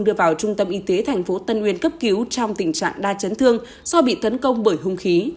đưa vào trung tâm y tế tp tân uyên cấp cứu trong tình trạng đa chấn thương do bị tấn công bởi hung khí